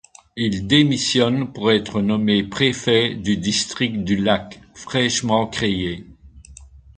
Il démissionne pour être nommé préfet du district du Lac, fraîchement créé.